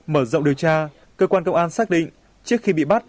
mở rộng điều tra cơ quan công an xác định trước khi bị bắt